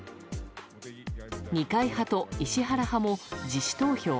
二階派と石原派も自主投票。